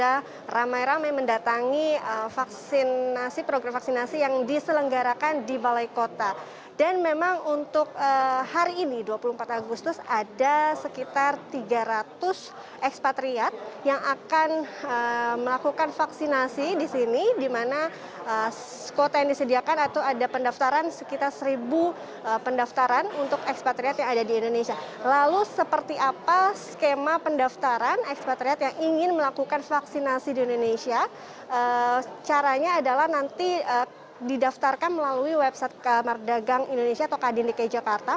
haranya adalah nanti didaftarkan melalui website kamar dagang indonesia atau kdn dki jakarta